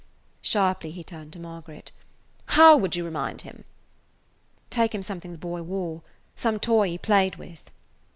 Sharply he turned to Margaret. "How would you remind him?" "Take him something the boy wore, some toy he played with."